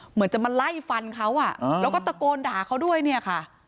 เหมือนจะมาไล่ฟันเขาอ่ะแล้วก็ตะโกนด่าเขาด้วยเนี่ยค่ะ